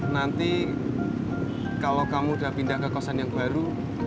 nanti kalau kamu sudah pindah ke kosan yang baru